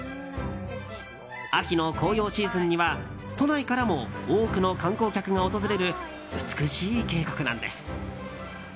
秋の紅葉シーズンには都内からも多くの観光客が訪れる美しい渓谷なんです。